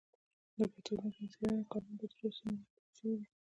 د پښتو متن څېړني کارونه په درو سيمو کي سوي دي.